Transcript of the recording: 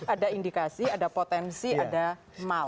ada indikasi ada potensi ada mal